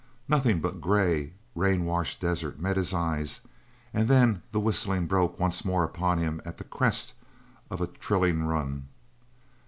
Nothing but grey, rain washed desert met his eyes, and then the whistling broke once more upon him at the crest of a thrilling run.